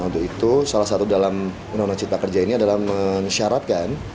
untuk itu salah satu dalam undang undang cipta kerja ini adalah mensyaratkan